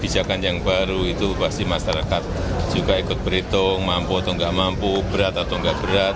juga ikut berhitung mampu atau enggak mampu berat atau enggak berat